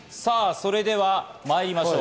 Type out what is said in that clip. それでは参りましょう。